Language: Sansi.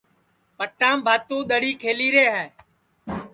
پٹام بھاتُو دؔڑی کھیلی رے ہے